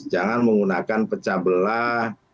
jangan menggunakan pecah belah